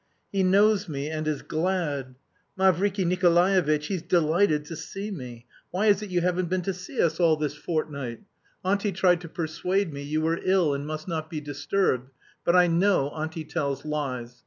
"He knows me, and is glad! Mavriky Nikolaevitch, he's delighted to see me! Why is it you haven't been to see us all this fortnight? Auntie tried to persuade me you were ill and must not be disturbed; but I know Auntie tells lies.